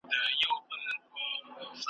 له هغې ورځي نن شل کاله تیریږي ,